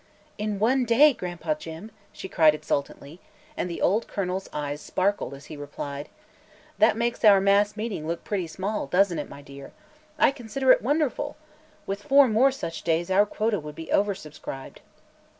"In one day, Gran'pa Jim!" she cried exultantly, and the old colonel's eyes sparkled as he replied: "That makes our great mass meeting look pretty small; doesn't it, my dear? I consider it wonderful! With four more such days our quota would be over subscribed."